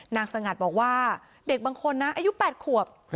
สงัดบอกว่าเด็กบางคนนะอายุ๘ขวบ